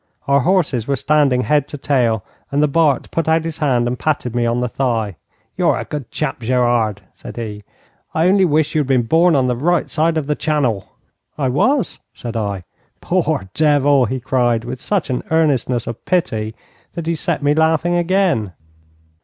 Our horses were standing head to tail, and the Bart put out his hand and patted me on the thigh. 'You're a good chap, Gerard,' said he. 'I only wish you had been born on the right side of the Channel.' 'I was,' said I. 'Poor devil!' he cried, with such an earnestness of pity that he set me laughing again.